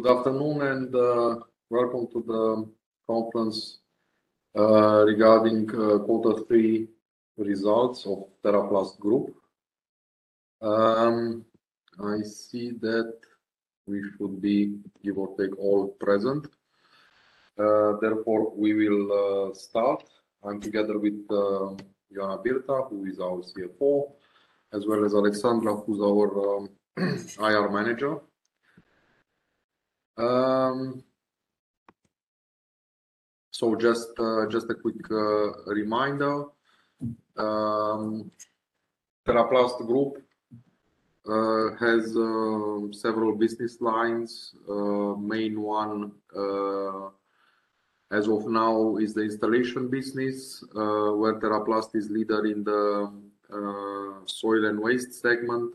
Good afternoon and welcome to the conference regarding quarter three results of Teraplast Group. I see that we should be, give or take, all present. Therefore we will start. I'm together with Ioana Birta, who is our CFO, as well as Alexandra, who's our IR manager. Just a quick reminder. Teraplast Group has several business lines. Main one, as of now, is the installation business, where Teraplast is leader in the soil and waste segment.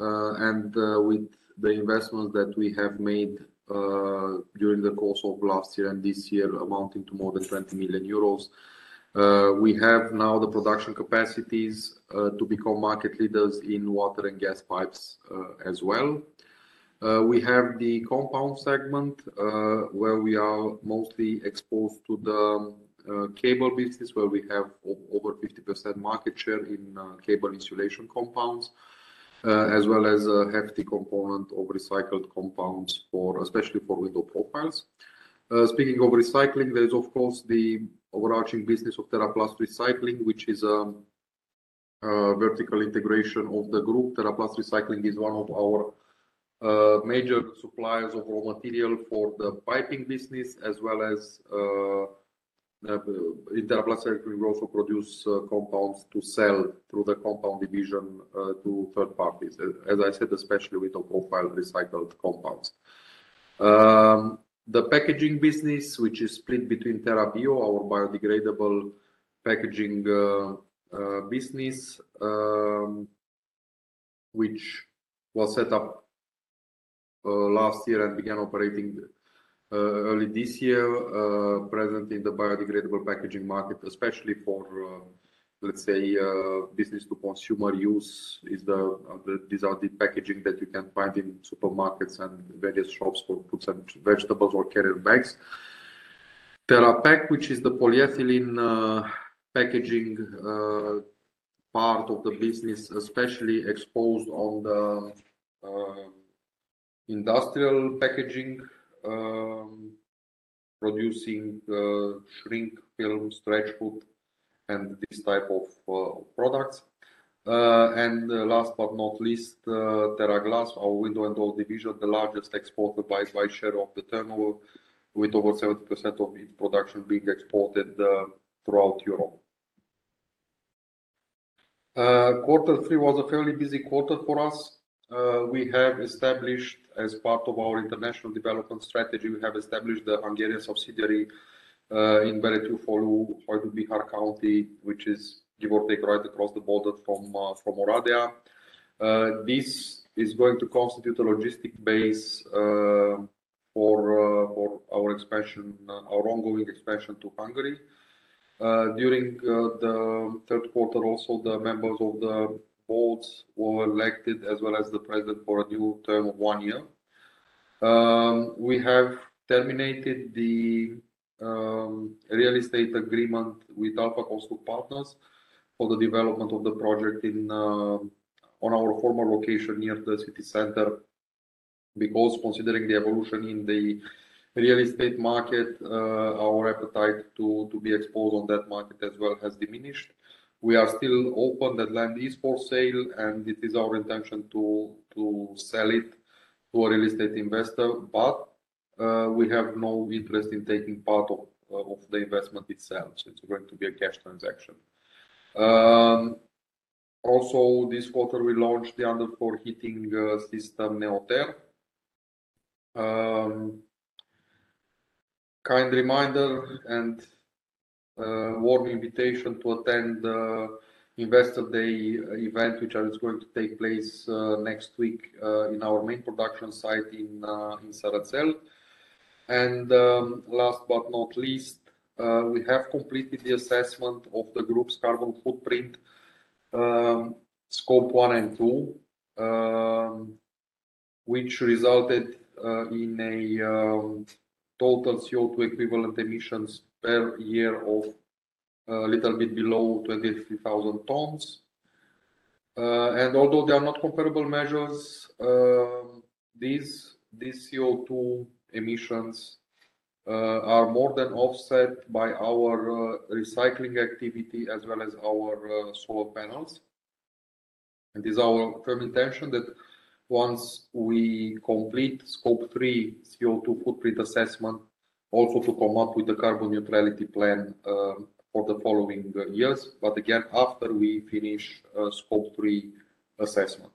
With the investment that we have made during the course of last year and this year amounting to more than 20 million euros, we have now the production capacities to become market leaders in water and gas pipes, as well. We have the compound segment, where we are mostly exposed to the cable business, where we have over 50% market share in cable insulation compounds, as well as a hefty component of recycled compounds for especially for window profiles. Speaking of recycling, there is of course the overarching business of Teraplast Recycling, which is vertical integration of the group. Teraplast Recycling is one of our major suppliers of raw material for the piping business as well as, in Teraplast Recycling we also produce compounds to sell through the compound division to third parties. As I said, especially window profile recycled compounds. The packaging business which is split between TeraBio Pack, our biodegradable packaging business, which was set up last year and began operating early this year. Present in the biodegradable packaging market especially for, let's say, business to consumer use is the packaging that you can find in supermarkets and various shops for fruits and vegetables or carrier bags. TeraPack, which is the polyethylene packaging part of the business, especially exposed on the industrial packaging. Producing shrink film, stretch hood and this type of products. Last but not least, TeraGlass, our window and door division, the largest exporter by share of the turnover, with over 70% of its production being exported throughout Europe. Quarter three was a fairly busy quarter for us. We have established as part of our international development strategy the Hungarian subsidiary in Berettyóújfalu, Hajdú-Bihar County, which is give or take right across the border from Oradea. This is going to constitute a logistic base for our expansion, our ongoing expansion to Hungary. During the third quarter also, the members of the boards were elected as well as the president for a new term of one year. We have terminated the real estate agreement with Alfa Construct Partners for the development of the project on our former location near the city center, because considering the evolution in the real estate market, our appetite to be exposed on that market as well has diminished. We are still open. That land is for sale, and it is our intention to sell it to a real estate investor. We have no interest in taking part of the investment itself, so it's going to be a cash transaction. Also this quarter we launched the underfloor heating system NeoTer. Kind reminder and warm invitation to attend the Investor Day event, which is going to take place next week in our main production site in Sărățel. Last but not least, we have completed the assessment of the group's carbon footprint, Scope 1 and 2, which resulted in a total CO2 equivalent emissions per year of a little bit below 23,000 tons. Although they are not comparable measures, these CO2 emissions are more than offset by our recycling activity as well as our solar panels. It is our firm intention that once we complete Scope 3 CO2 footprint assessment, also to come up with a carbon neutrality plan for the following years, but again after we finish Scope 3 assessment.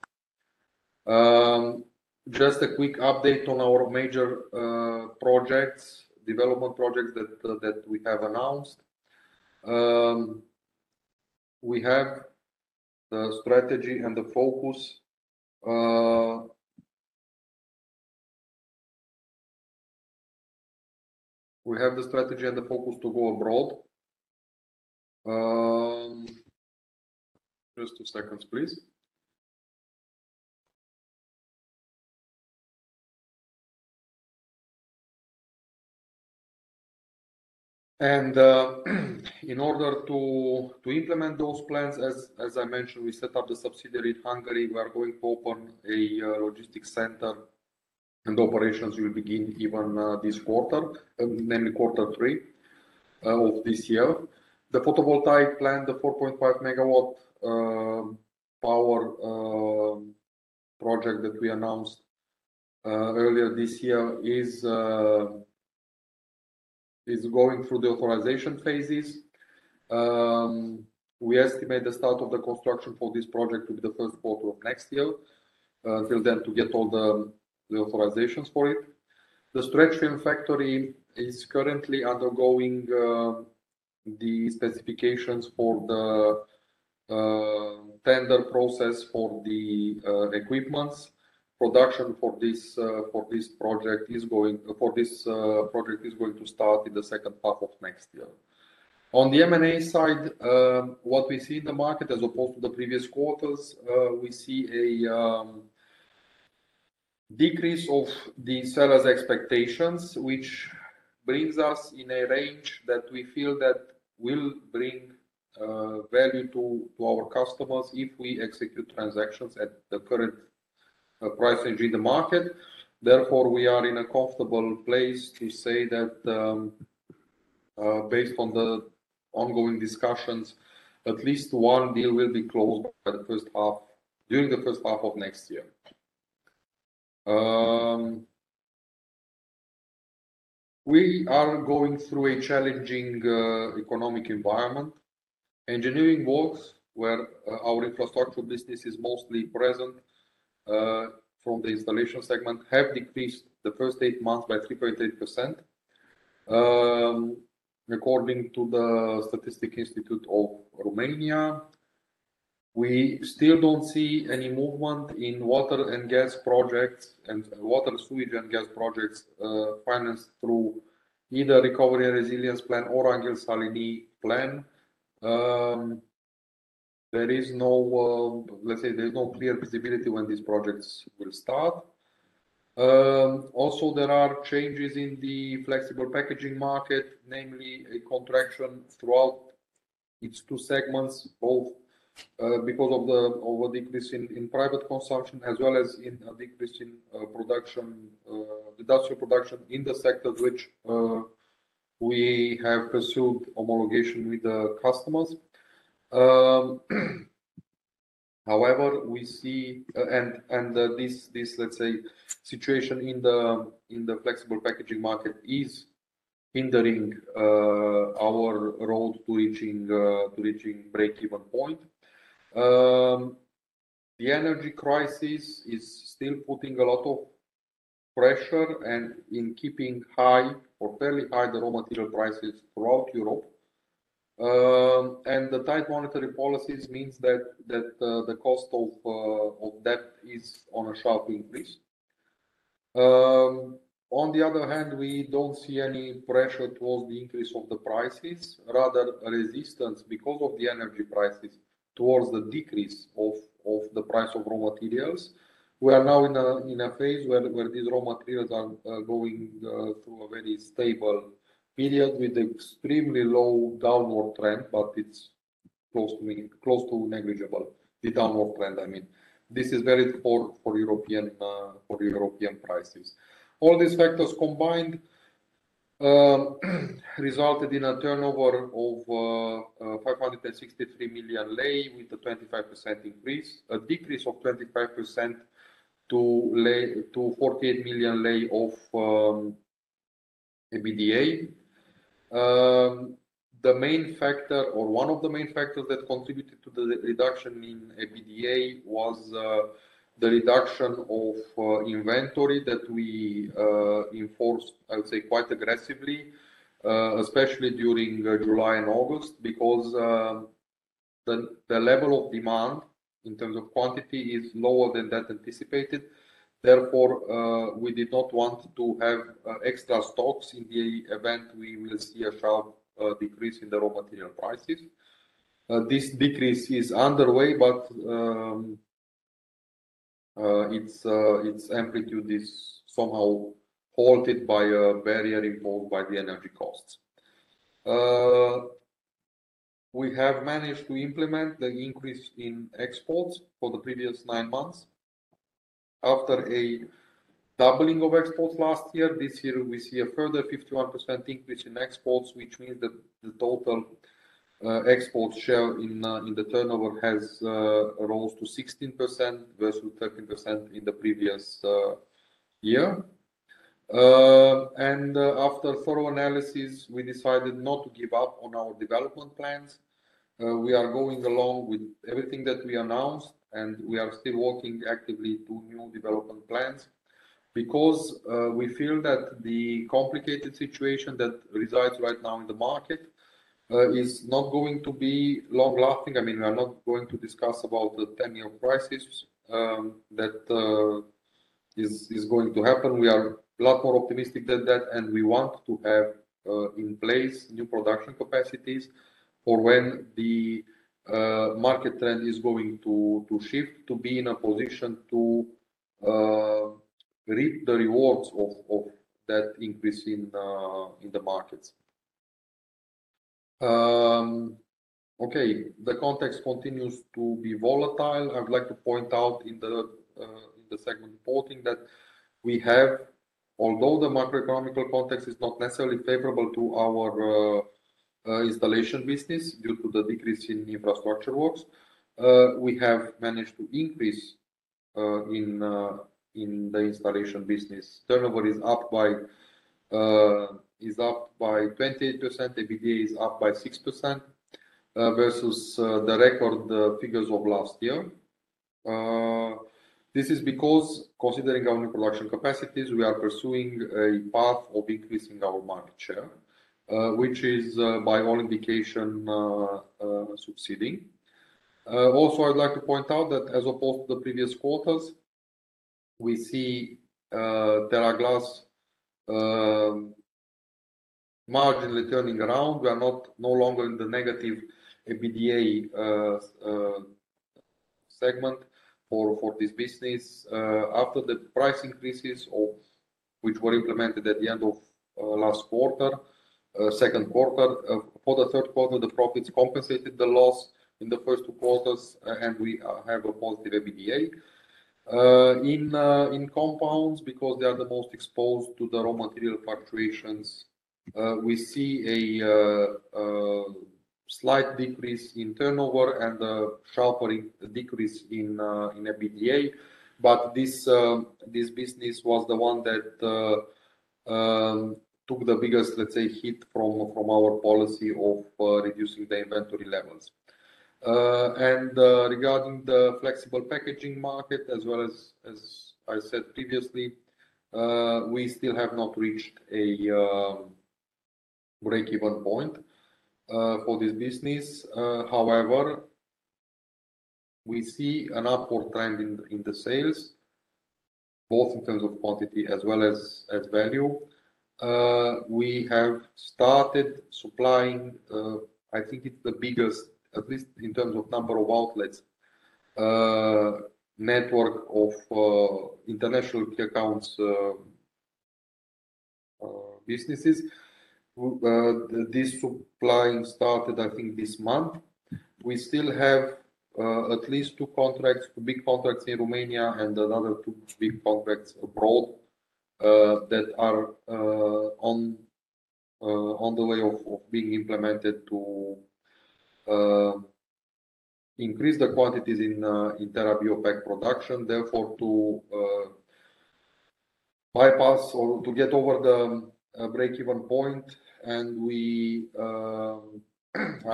Just a quick update on our major development projects that we have announced. We have the strategy and the focus to go abroad. Just two seconds please. In order to implement those plans as I mentioned, we set up the subsidiary in Hungary. We are going to open a logistics center and operations will begin even this quarter, namely quarter three, of this year. The photovoltaic plant, the 4.5 MW power project that we announced earlier this year is going through the authorization phases. We estimate the start of the construction for this project to be the first quarter of next year. Till then to get all the authorizations for it. The stretch film factory is currently undergoing the specifications for the tender process for the equipment. Production for this project is going to start in the second half of next year. On the M&A side, what we see in the market as opposed to the previous quarters, we see a decrease of the sellers' expectations, which brings us in a range that we feel that will bring value to our customers if we execute transactions at the current pricing in the market. Therefore, we are in a comfortable place to say that, based on the ongoing discussions, at least one deal will be closed during the first half of next year. We are going through a challenging economic environment. Engineering works where our infrastructure business is mostly present from the installation segment have decreased the first eight months by 3.8%, according to the National Institute of Statistics. We still don't see any movement in water, sewage and gas projects financed through either Recovery and Resilience Plan or Anghel Saligny Plan. There is no, let's say, clear visibility when these projects will start. Also there are changes in the flexible packaging market, namely a contraction throughout its two segments, both a decrease in private consumption as well as a decrease in industrial production in the sectors which we have pursued homologation with the customers. However, we see this, let's say, situation in the flexible packaging market is hindering our road to reaching break-even point. The energy crisis is still putting a lot of pressure and in keeping high or fairly high the raw material prices throughout Europe. The tight monetary policies means that the cost of debt is on a sharp increase. On the other hand, we don't see any pressure towards the increase of the prices, rather a resistance because of the energy prices towards the decrease of the price of raw materials. We are now in a phase where these raw materials are going through a very stable period with extremely low downward trend, but it's close to negligible, the downward trend, I mean. This is very poor for European prices. All these factors combined resulted in a turnover of RON 563 million with a 25% increase. A decrease of 25% to RON 48 million of EBITDA. The main factor or one of the main factors that contributed to the reduction in EBITDA was the reduction of inventory that we enforced, I would say, quite aggressively, especially during July and August because the level of demand in terms of quantity is lower than that anticipated. Therefore, we did not want to have extra stocks in the event we will see a sharp decrease in the raw material prices. This decrease is underway, but its amplitude is somehow halted by a barrier imposed by the energy costs. We have managed to implement the increase in exports for the previous nine months. After a doubling of exports last year, this year we see a further 51% increase in exports, which means that the total export share in the turnover has rose to 16% versus 13% in the previous year. After thorough analysis, we decided not to give up on our development plans. We are going along with everything that we announced, and we are still working actively to new development plans because we feel that the complicated situation that resides right now in the market is not going to be long-lasting. I mean, we are not going to discuss about the 10-year prices that is going to happen. We are a lot more optimistic than that, and we want to have in place new production capacities for when the market trend is going to shift to be in a position to reap the rewards of that increase in the markets. The context continues to be volatile. I would like to point out in the segment reporting that, although the macroeconomic context is not necessarily favorable to our installation business due to the decrease in infrastructure works, we have managed to increase in the installation business. Turnover is up by 20%. EBITDA is up by 6% versus the record figures of last year. This is because considering our new production capacities, we are pursuing a path of increasing our market share, which is, by all indications, succeeding. Also, I'd like to point out that as opposed to the previous quarters, we see TeraGlass marginally turning around. We are no longer in the negative EBITDA segment for this business. After the price increases of which were implemented at the end of last quarter, second quarter. For the third quarter, the profits compensated the loss in the first two quarters, and we have a positive EBITDA. In compounds because they are the most exposed to the raw material fluctuations, we see a slight decrease in turnover and a sharper decrease in EBITDA. This business was the one that took the biggest, let's say, hit from our policy of reducing the inventory levels. Regarding the flexible packaging market, as well as I said previously, we still have not reached a breakeven point for this business. However, we see an upward trend in the sales, both in terms of quantity as well as value. We have started supplying, I think it's the biggest, at least in terms of number of outlets, network of international key accounts businesses. This supplying started, I think, this month. We still have at least two contracts, two big contracts in Romania and another two big contracts abroad, that are on the way of being implemented to increase the quantities in TeraBio Pack production, therefore to bypass or to get over the breakeven point. We are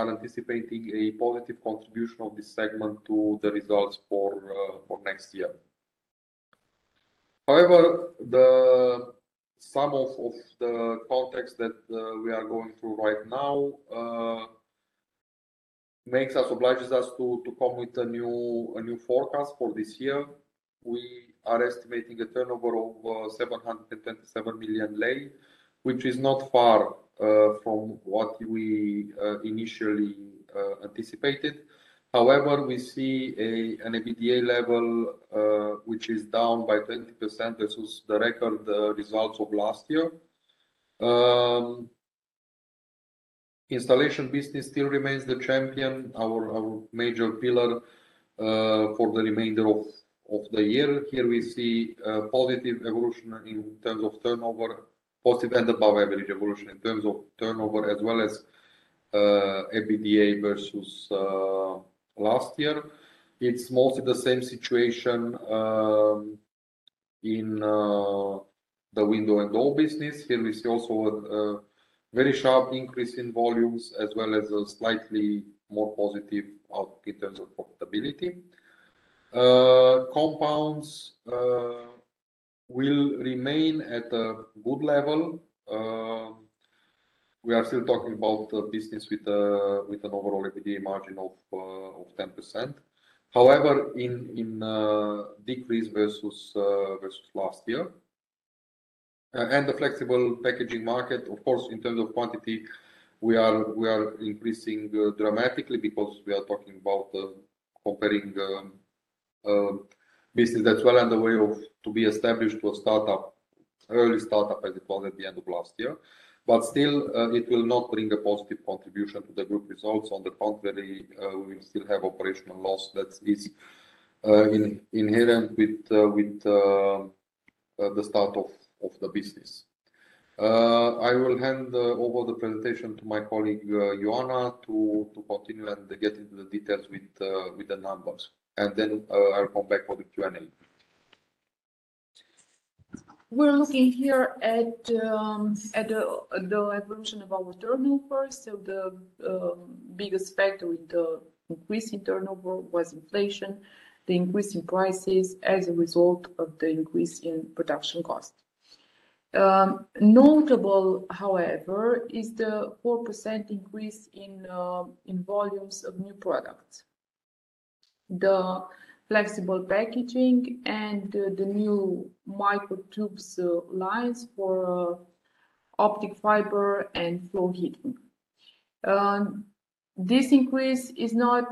anticipating a positive contribution of this segment to the results for next year. However, the sum of the context that we are going through right now makes us obliges us to come with a new forecast for this year. We are estimating a turnover of RON 727 million, which is not far from what we initially anticipated. However, we see an EBITDA level which is down by 20% versus the record results of last year. Installation business still remains the champion, our major pillar for the remainder of the year. Here we see a positive evolution in terms of turnover positive and above average evolution in terms of turnover as well as EBITDA versus last year. It's mostly the same situation in the window and door business. Here we see also a very sharp increase in volumes as well as a slightly more positive outcome in terms of profitability. Compounds will remain at a good level. We are still talking about a business with an overall EBITDA margin of 10%. However, in decrease versus last year. The flexible packaging market, of course, in terms of quantity, we are increasing dramatically because we are talking about comparing business that's well on the way to be established to a startup, early startup, I suppose, at the end of last year. Still, it will not bring a positive contribution to the group results. On the contrary, we will still have operational loss that is inherent with the start of the business. I will hand over the presentation to my colleague Ioana to continue and get into the details with the numbers. Then, I'll come back for the Q&A. We're looking here at the evolution of our turnover. The biggest factor with the increase in turnover was inflation, the increase in prices as a result of the increase in production costs. Notable, however, is the 4% increase in volumes of new products. The flexible packaging and the new microducts lines for fiber optic and floor heating. This increase is not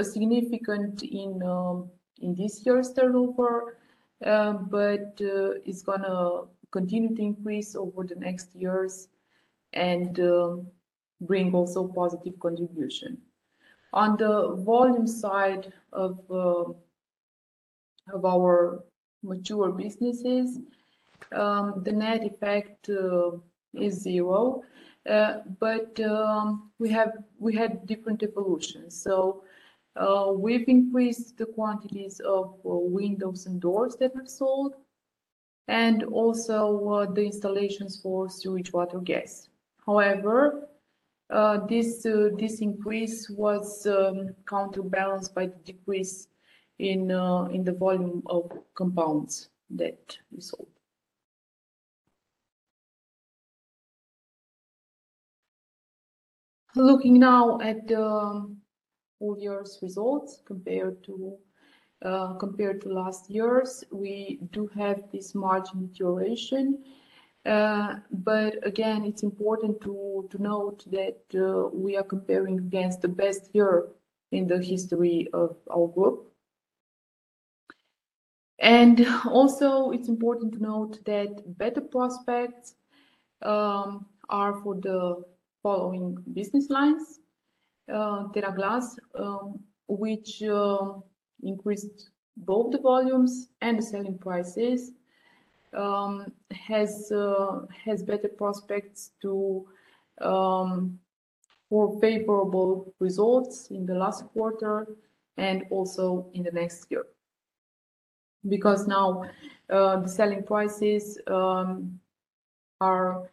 significant in this year's turnover, but it's gonna continue to increase over the next years and bring also positive contribution. On the volume side of our mature businesses, the net effect is zero. We had different evolutions. We've increased the quantities of windows and doors that we've sold, and also the installations for sewage, water, gas. However, this increase was counterbalanced by the decrease in the volume of compounds that we sold. Looking now at the full-year's results compared to last year's, we do have this margin deterioration. Again, it's important to note that we are comparing against the best year in the history of our group. Also it's important to note that better prospects are for the following business lines. TeraGlass, which increased both the volumes and the selling prices, has better prospects to more favorable results in the last quarter and also in the next year. Because now, the selling prices are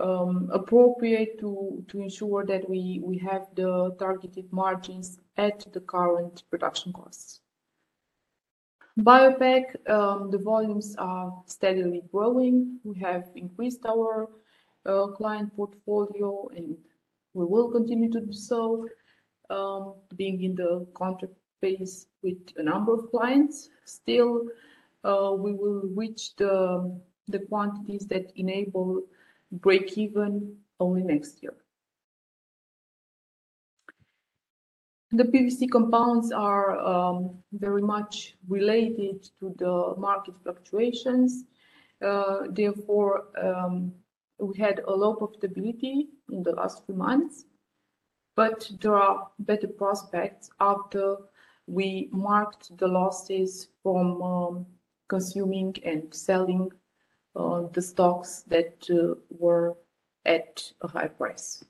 appropriate to ensure that we have the targeted margins at the current production costs. TeraBio Pack, the volumes are steadily growing. We have increased our client portfolio and we will continue to do so, being in the contract phase with a number of clients. Still, we will reach the quantities that enable breakeven only next year. The PVC compounds are very much related to the market fluctuations. Therefore, we had a low profitability in the last few months. There are better prospects after we marked the losses from consuming and selling the stocks that were at a high price.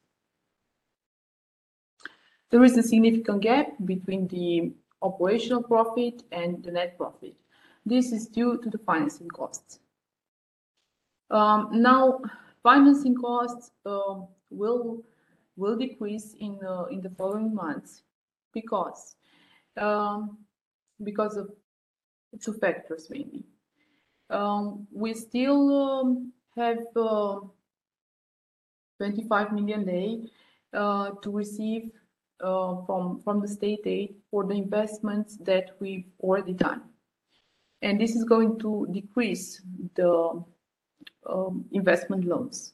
There is a significant gap between the operational profit and the net profit. This is due to the financing costs. Now financing costs will decrease in the following months because of two factors maybe. We still have RON 25 million to receive from the state aid for the investments that we've already done, and this is going to decrease the investment loans.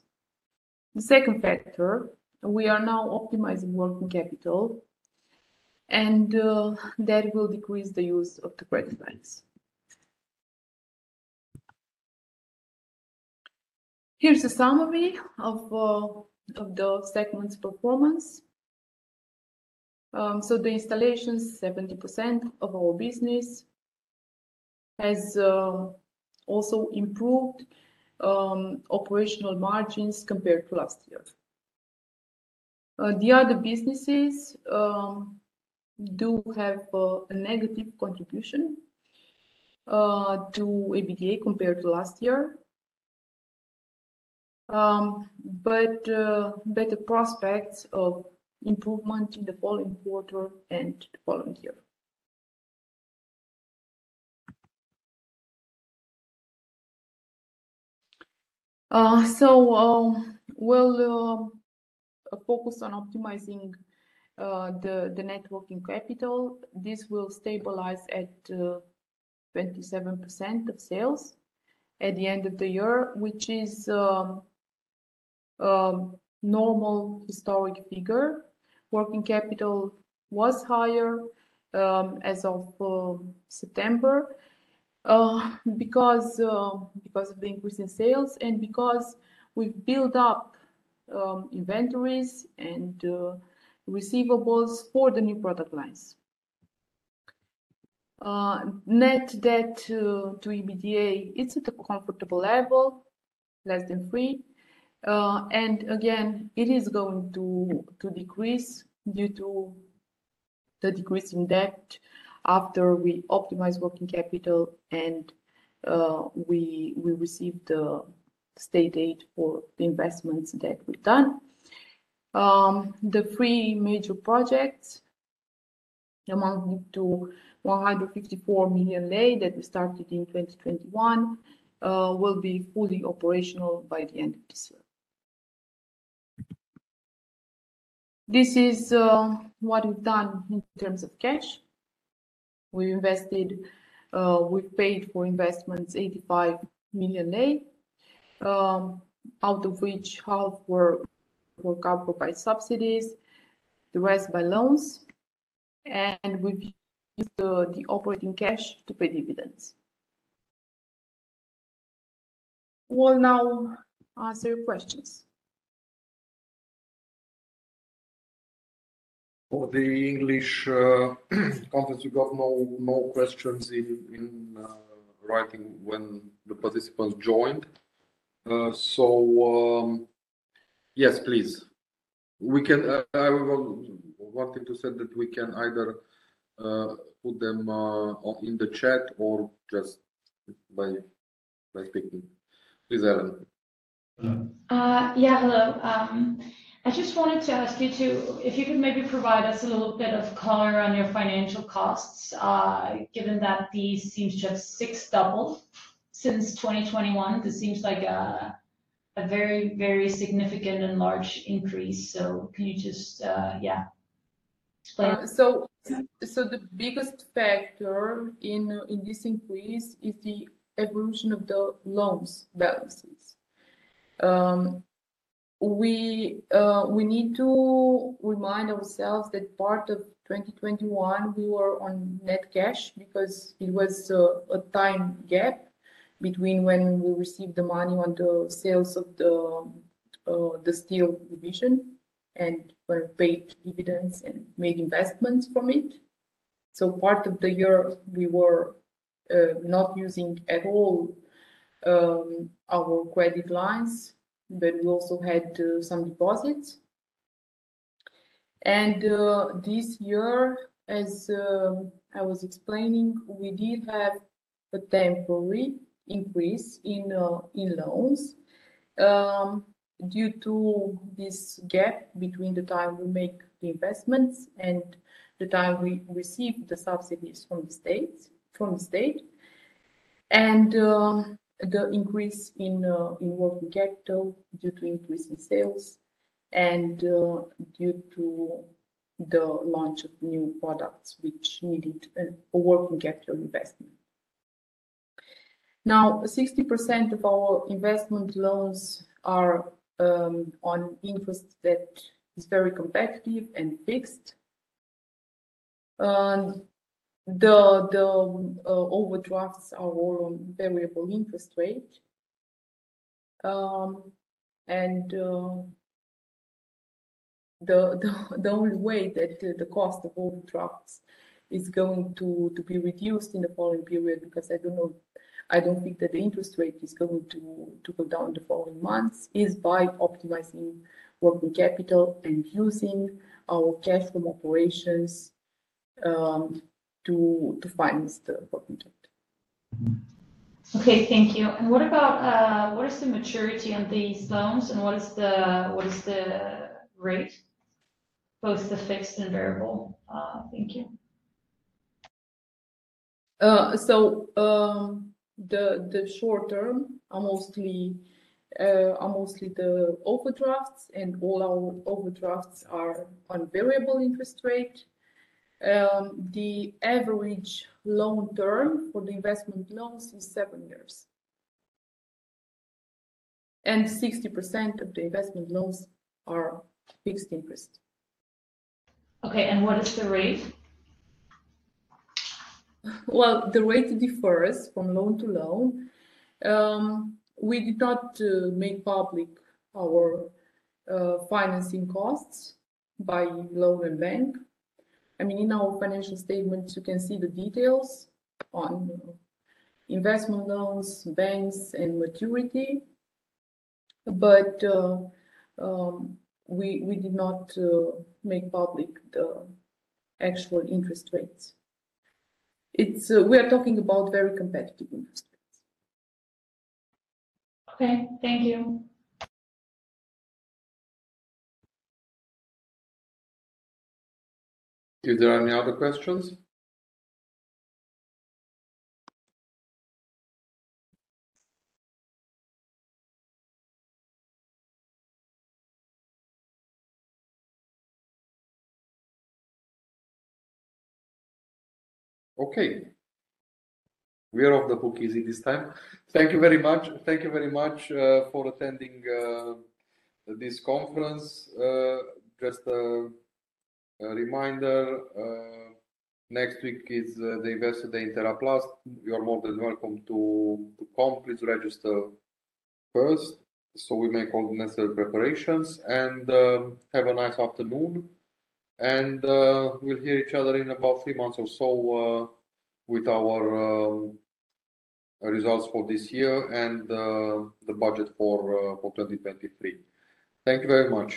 The second factor, we are now optimizing working capital and that will decrease the use of the credit lines. Here's a summary of the segments performance. The installations, 70% of our business, has also improved operational margins compared to last year. The other businesses do have a negative contribution to EBITDA compared to last year. Better prospects of improvement in the following quarter and the following year. We'll focus on optimizing the net working capital. This will stabilize at 27% of sales at the end of the year, which is normal historic figure. Working capital was higher as of September because of the increase in sales and because we built up inventories and receivables for the new product lines. Net debt to EBITDA is at a comfortable level, less than three. Again, it is going to decrease due to the decrease in debt after we optimize working capital and we receive the state aid for the investments that we've done. The three major projects amounting to RON 154 million that we started in 2021 will be fully operational by the end of this year. This is what we've done in terms of cash. We invested, we paid for investments RON 85 million, out of which half were covered by subsidies, the rest by loans. We've used the operating cash to pay dividends. We'll now answer your questions. For the English conference, we got no questions in writing when the participants joined. Yes, please. I wanted to say that we can either put them in the chat or just by speaking. Please, Ellen. Hello. I just wanted to ask if you could maybe provide us a little bit of color on your financial costs, given that these seem to have since doubled since 2021. This seems like a very significant and large increase. Can you just. The biggest factor in this increase is the evolution of the loan balances. We need to remind ourselves that part of 2021, we were on net cash because it was a time gap between when we received the money on the sales of the steel division and were paid dividends and made investments from it. Part of the year, we were not using at all our credit lines, but we also had some deposits. This year, as I was explaining, we did have a temporary increase in loans due to this gap between the time we make the investments and the time we receive the subsidies from the state. The increase in working capital due to increase in sales and due to the launch of new products which needed a working capital investment. Now, 60% of our investment loans are on interest that is very competitive and fixed. The overdrafts are all on variable interest rate. The only way that the cost of overdrafts is going to be reduced in the following period, because I don't know, I don't think that the interest rate is going to go down in the following months, is by optimizing working capital and using our cash from operations to finance the working capital. Okay. Thank you. What about what is the maturity on these loans, and what is the rate, both the fixed and variable? Thank you. The short term are mostly the overdrafts, and all our overdrafts are on variable interest rate. The average long term for the investment loans is seven years. 60% of the investment loans are fixed interest. Okay. What is the rate? Well, the rate differs from loan to loan. We did not make public our financing costs by loan and bank. I mean, in our financial statements, you can see the details on investment loans, banks and maturity. We did not make public the actual interest rates. We are talking about very competitive interest rates. Okay. Thank you. Is there any other questions? Okay. We are off the hook easy this time. Thank you very much. Thank you very much for attending this conference. Just a reminder, next week is the Investor Day in Teraplast. You are more than welcome to come. Please register first so we make all the necessary preparations. Have a nice afternoon. We'll hear each other in about three months or so with our results for this year and the budget for 2023. Thank you very much.